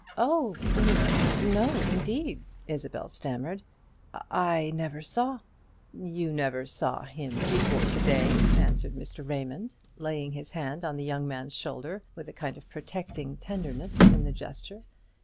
"Oh, n no indeed," Isabel stammered; "I never saw " "You never saw him before to day," answered Mr. Raymond, laying his hand on the young man's shoulder with a kind of protecting tenderness in the gesture.